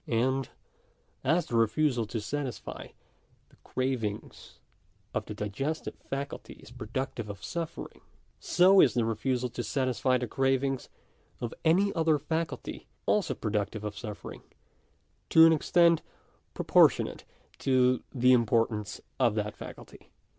And as the refusal to satisfy the cravings of the diges tive faculty is productive of suffering, so is the refusal to satisfy the cravings of any other faculty also productive of suffering, to an extent proportionate to the importance of that faculty.